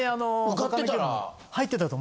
受かってたら？